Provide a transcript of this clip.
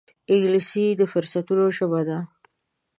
انګلیسي د فرصتونو ژبه ده